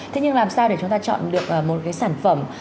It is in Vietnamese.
thế nhưng làm sao để chúng ta chọn được một cái sản phẩm